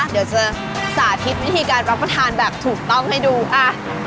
เดี๋ยวจะสาธิตวิธีการรับประทานแบบถูกต้องให้ดูอ่ะ